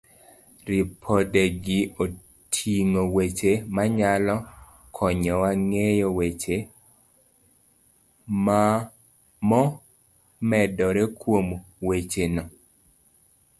Ripodegi oting'o weche manyalo konyowa ng'eyo weche momedore kuom wachno.